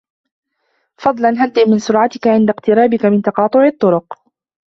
فضلاً هدئ من سرعتك عند اقترابك من تقاطع الطرق.